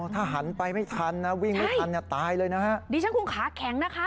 ถ้าหันไปไม่ทันนะวิ่งไม่ทันเนี่ยตายเลยนะฮะดิฉันคงขาแข็งนะคะ